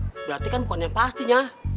berarti kan bukan yang pastinya